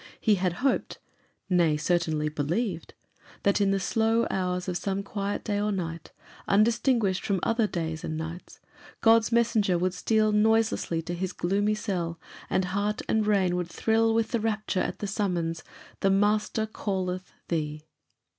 He had hoped, nay, certainly believed, that in the slow hours of some quiet day or night, undistinguished from other days and nights, God's messenger would steal noiselessly to his gloomy cell, and heart and brain would thrill with rapture at the summons, "The Master calleth thee."